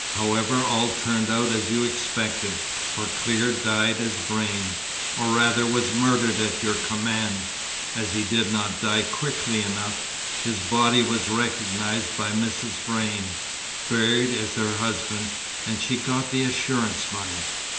"However, all turned out as you expected, for Clear died as Vrain or rather was murdered at your command, as he did not die quickly enough his body was recognised by Mrs. Vrain, buried as her husband, and she got the assurance money.